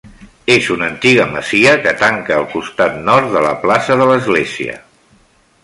És una antiga masia que tanca el costat nord de la plaça de l'església.